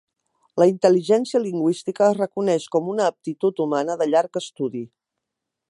La intel·ligència lingüística es reconeix com una aptitud humana de llarg estudi.